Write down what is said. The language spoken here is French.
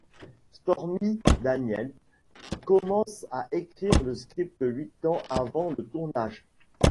Stormy Daniels commence à écrire le script huit ans avant le tournage.